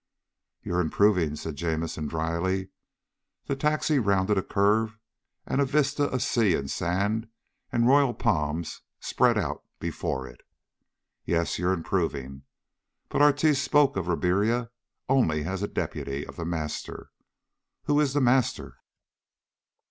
"You're improving," said Jamison dryly. The taxi rounded a curve and a vista of sea and sand and royal palms spread out before it. "Yes, you're improving. But Ortiz spoke of Ribiera only as a deputy of The Master. Who is The Master?"